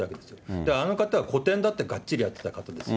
だからあの方は古典だってがっちりやってた方ですよ。